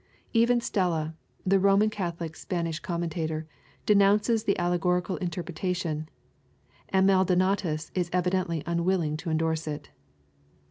Even Stella, the Roman Catholic Spanish com mentator, denounces the allegorical interpretation, and Maldonatua is evidently unwilling to endorse it.